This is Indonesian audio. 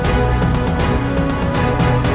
baik ayah ayah